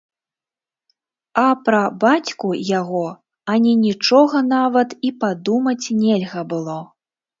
А пра бацьку яго ані нічога нават і падумаць нельга было.